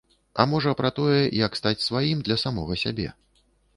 А можа, пра тое, як стаць сваім для самога сябе.